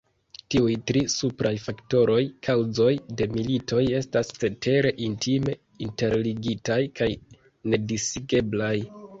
Tiuj tri supraj faktoroj, kaŭzoj de militoj estas cetere intime interligitaj kaj nedisigeblaj.